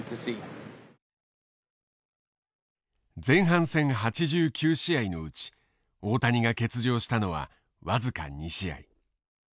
前半戦８９試合のうち大谷が欠場したのは僅か２試合。